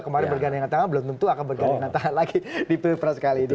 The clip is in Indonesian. kemarin bergandingan tangan belum tentu akan bergandingan tangan lagi di pilpres kali ini